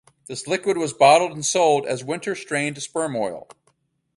This liquid was bottled and sold as "winter-strained sperm oil".